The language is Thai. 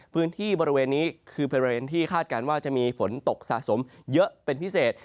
พื้นที่บริเวณนี้คือบริเวณที่คาดการณ์ว่าจะมีฝนตกสะสมเยอะเป็นพิเศษ